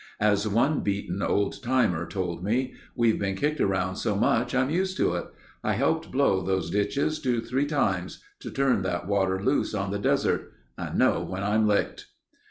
As one beaten old timer told me, "We've been kicked around so much I'm used to it. I helped blow those ditches two three times, to turn that water loose on the desert. I know when I'm licked."